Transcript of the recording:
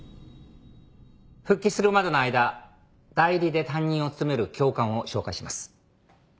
復帰するまでの間代理で担任を務める教官を紹介します。